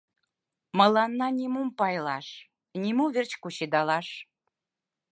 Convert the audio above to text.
Мыланна нимом пайлаш, нимо верч кучедалаш.